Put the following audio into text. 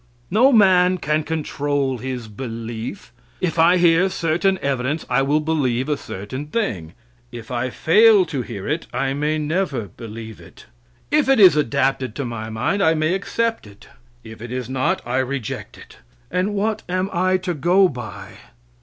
No man can control his belief. If I hear certain evidence I will believe a certain thing. If I fail to hear it I may never believe it. If it is adapted to my mind I may accept it; if it is not, I reject it. And what am I to go by?